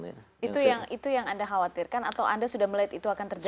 atau anda sudah melihat itu akan terjadi lagi